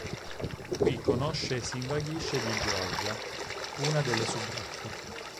Qui conosce e si invaghisce di Georgia, una delle soubrette.